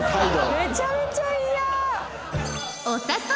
めちゃめちゃ嫌！